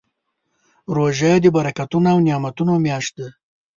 روژه د برکتونو او نعمتونو میاشت ده.